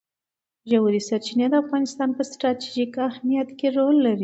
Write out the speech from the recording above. ژورې سرچینې د افغانستان په ستراتیژیک اهمیت کې رول لري.